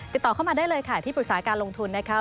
ติดต่อเข้ามาได้เลยค่ะที่ปรึกษาการลงทุนนะคะ